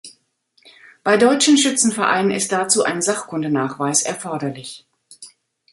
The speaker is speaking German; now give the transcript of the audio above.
Bei deutschen Schützenvereinen ist dazu ein Sachkundenachweis erforderlich.